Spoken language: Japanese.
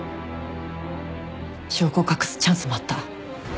証拠を隠すチャンスもあった。